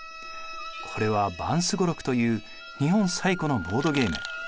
これは盤双六という日本最古のボードゲーム。